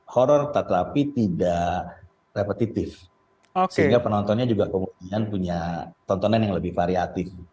horror tetapi tidak repetitif sehingga penontonnya juga kemudian punya tontonan yang lebih variatif